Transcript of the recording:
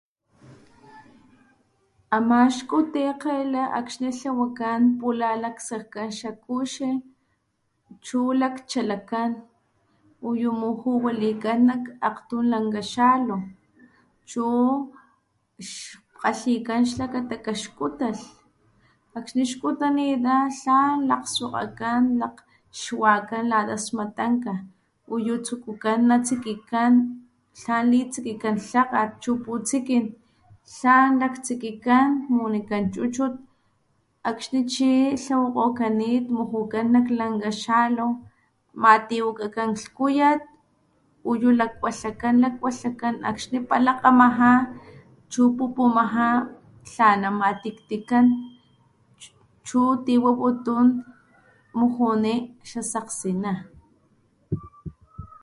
Ama xkutikgela akxni tlawakan pula laksakkan xakuxi chu lakchalakan uyu mujuwalikan nak akgtun lanka xalu chu kgalhikan xlakata kaxkutalh akxni xkutanita tlan lakgswakgakan, lakxwakan lata smatanka uyu tsukukan natsikikan tlan litsikikan lhakgat chu putsikin tlan laktsikikan munikan chuchut akxni chi tlawakgokanit mujukan nak lanka xalu matiwakan nak lhuyat uyu lakwalhakan, lakwlhakan, akxni palakgamaja chu pupumaja tlana matiktikan chu tiwaputun mujuni xasakgsina.